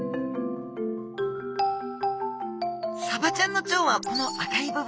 サバちゃんの腸はこの赤い部分。